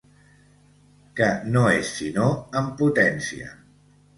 Que no és sinó en potència.